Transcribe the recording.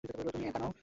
তুমি একা নও।